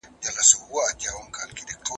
ملا بانګ د بیا اورېدو په تمه سترګې پټې کړې.